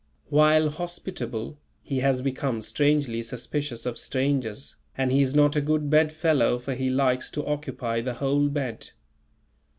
While hospitable, he has become strangely suspicious of strangers, and he is not a good bedfellow for he likes to occupy the whole bed.